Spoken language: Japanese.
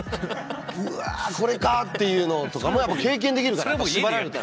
うわこれかっていうのとかもやっぱ経験できるから縛られたら。